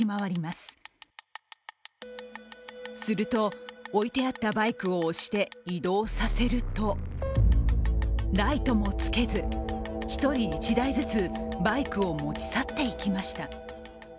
すると、置いてあったバイクを押して移動させるとライトもつけず、１人１台ずつバイクを持ち去っていきました。